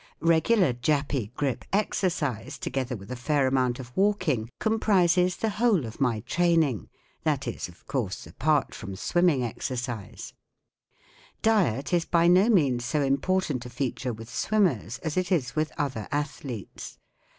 Regular M Jappy M Grip Exercise* together with a fair amount of walking* comprises the whole of my training; that is, of course, apart from swimming exercise* Diet is by no means so important a feature with swimmers as it is with other athletes.